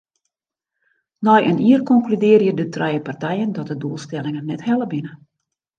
Nei in jier konkludearje de trije partijen dat de doelstellingen net helle binne.